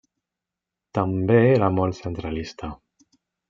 També era molt centralista.